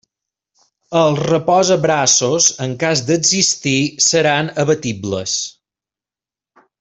Els reposabraços, en cas d'existir, seran abatibles.